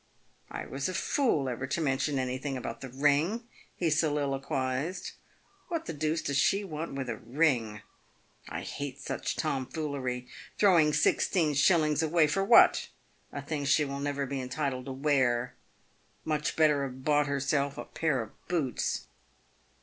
" I was a fool ever to mention anything about the ring," he soliloquised. " What the deuce does she want with a ring ? I hate such tomfoolery. Throw ing sixteen shillings away — for what? — a thing she will never be entitled to wear. Much better have bought herself a pair of boots."